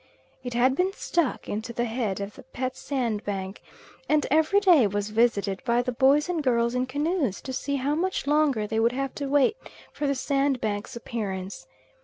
It had been stuck into the head of the pet sandbank, and every day was visited by the boys and girls in canoes to see how much longer they would have to wait for the sandbank's appearance.